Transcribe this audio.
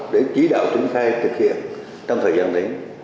để chỉ đạo triển khai thực hiện trong thời gian đến